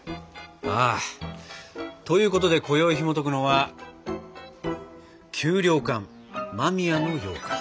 ああということでこよいひもとくのは「給糧艦間宮のようかん」。